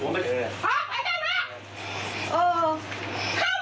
ผมไม่ไหลผมไม่ไหลสอบไปเดือนแหละ